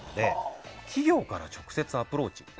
企業から直接アプローチ。